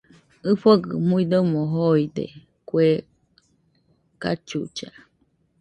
ɨfɨgɨ muidomo joide kue cachucha